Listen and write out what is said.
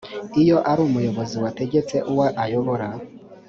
iyo ari umuyobozi wategetse uwo ayobora